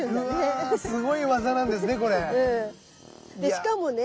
しかもね